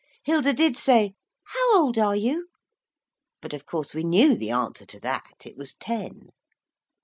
Hilda did say, 'How old are you?' but, of course, we knew the answer to that. It was ten.